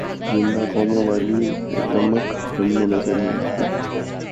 زندہ قوموں والی رمق ہم میں نظر نہیں آتی۔